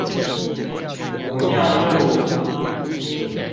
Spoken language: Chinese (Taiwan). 武廟路